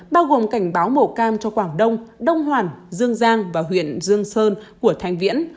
bao gồm cảnh báo màu cam cho quảng đông đông hoàn dương giang và huyện dương sơn của thanh viễn